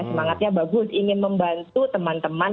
semangatnya bagus ingin membantu teman teman